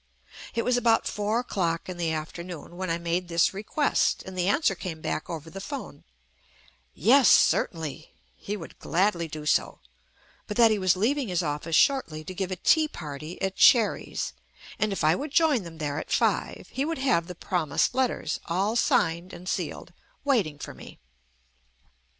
It was about four o'clock in the afternoon when I made this request, and the answer came back over the phone, "Yes, certainly," he would gladly do so, but that he was leaving his office shortly to give a tea party at Sherry's, and if I would join them there at five, he would have the promised letters, all signed and sealed, waiting for me.